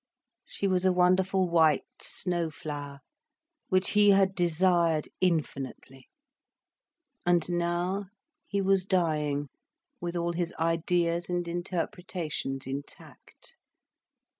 She was a wonderful white snow flower, which he had desired infinitely. And now he was dying with all his ideas and interpretations intact.